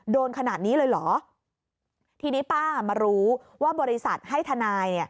โดนขนาดนี้เลยเหรอทีนี้ป้ามารู้ว่าบริษัทให้ทนาย